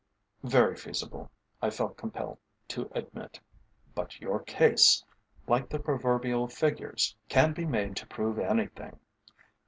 "Very feasible," I felt compelled to admit; "but your case, like the proverbial figures, can be made to prove anything.